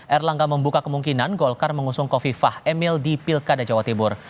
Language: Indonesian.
erlangga membuka kemungkinan golkar mengusung kofifah emil di pilkada jawa timur